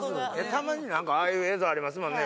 たまになんかああいう映像ありますもんね